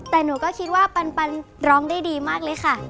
แต่หนูก็คิดว่าปันร้องได้ดีมากเลยค่ะ